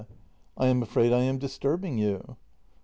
] I am afraid I am disturbing you.